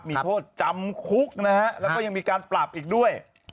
มีโทษจำคุกนะฮะแล้วก็ยังมีการปรับอีกด้วย